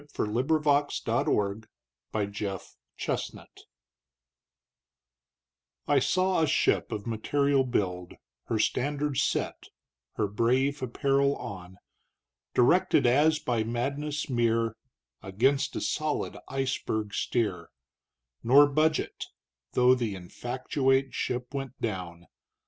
Herman Melville The Berg (A Dream) I SAW a ship of material build (Her standards set, her brave apparel on) Directed as by madness mere Against a solid iceberg steer, Nor budge it, though the infactuate ship went down.